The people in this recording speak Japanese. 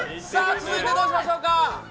続いてどうしましょうか。